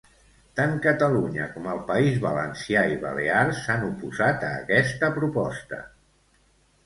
Tant Catalunya com el País Valencià i Balears s'han oposat a aquesta proposta.